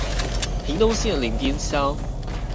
屏東縣林邊鄉